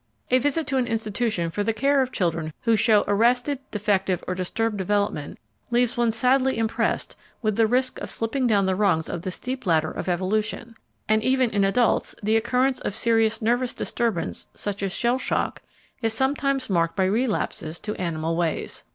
A visit to an institution for the care of children who show arrested, defective, or disturbed development leaves one sadly impressed with the risk of slipping down the rungs of the steep ladder of evolution; and even in adults the occurrence of serious nervous disturbance, such as "shell shock," is sometimes marked by relapses to animal ways.